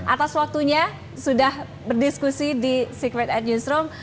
atas waktunya sudah berdiskusi di secret at newsroom